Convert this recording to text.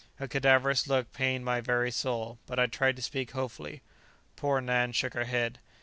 Her cadaverous look pained my very soul, but I tried to speak hopefully. Poor Nan shook her head.